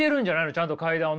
ちゃんと階段を上って。